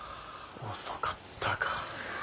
遅かったか。